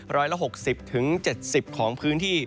ร้อยละ๖๐๗๐ของพื้นที่